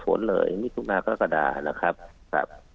ควรเปลือกฝนเลยไม่ทุกหน้ากรกฎานะครับ